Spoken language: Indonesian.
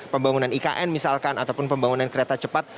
pembangunan ikn misalkan ataupun pembangunan kereta cepat